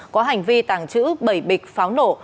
có hành vi tàng trữ bảy bịch pháo nổ